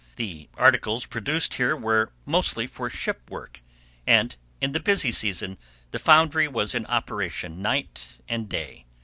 The articles produced here were mostly for ship work, and in the busy season the foundry was in operation night and day.